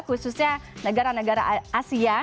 khususnya negara negara asia